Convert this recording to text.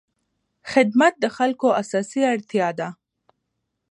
خدمت د خلکو اساسي اړتیا ده.